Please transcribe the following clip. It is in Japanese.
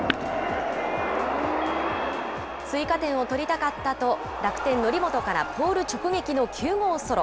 追加点を取りたかったと、楽天、則本からポール直撃の９号ソロ。